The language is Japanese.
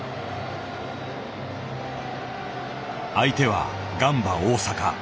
相手はガンバ大阪。